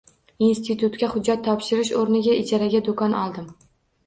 Institutga hujjat topshirish o`rniga ijaraga do`kon oldim